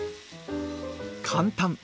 簡単！